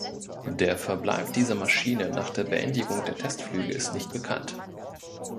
Der Verbleib dieser Maschine nach der Beendigung der Testflüge ist nicht bekannt.